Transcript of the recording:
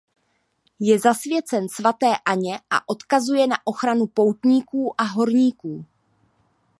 Je zasvěcen svaté Anně a odkazuje na ochranu poutníků a horníků.